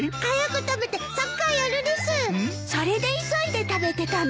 それで急いで食べてたの？